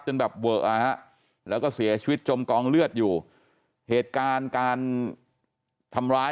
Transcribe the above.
แบบเวอะฮะแล้วก็เสียชีวิตจมกองเลือดอยู่เหตุการณ์การทำร้าย